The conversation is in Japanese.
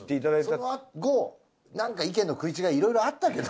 その後なんか意見の食い違いいろいろあったけど。